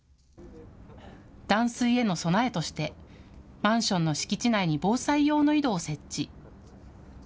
断水への備えとしてマンションの敷地内に防災用の井戸を設置。